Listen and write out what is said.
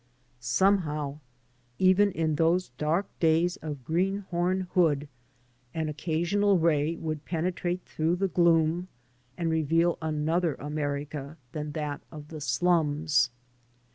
Somehow, even in those dark days of greenhorn hood, an occasional ray would penetrate through the gloom and reveal another America than that of the slums.